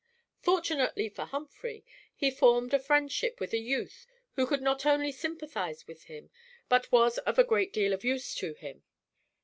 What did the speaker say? Fortunately for Humphry, he formed a friendship with a youth who could not only sympathize with him, but was of a great deal of use to him.